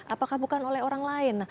apakah bukan oleh orang lain